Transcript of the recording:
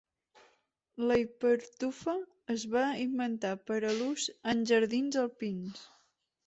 La hipertufa es va inventar per a l'ús en jardins alpins.